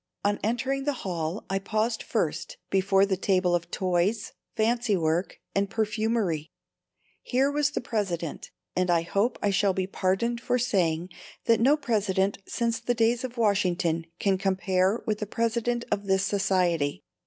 On entering the hall I paused first before the table of toys, fancy work and perfumery. Here was the President, and I hope I shall be pardoned for saying that no President since the days of Washington can compare with the President of this Society.